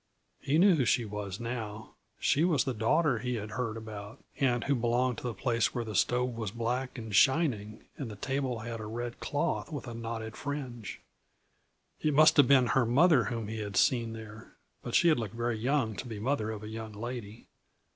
He knew who she was, now; she was the daughter he had heard about, and who belonged to the place where the stove was black and shining and the table had a red cloth with knotted fringe. It must have been her mother whom he had seen there but she had looked very young to be mother of a young lady.